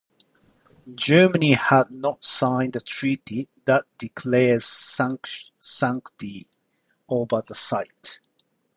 Germany had not signed the treaty that declares sanctity over the site.